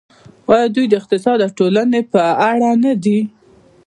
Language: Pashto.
آیا دوی د اقتصاد او ټولنې په اړه نه دي؟